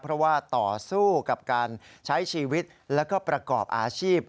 เพราะว่าต่อสู้กับการใช้ชีวิตแล้วก็ประกอบอาชีพ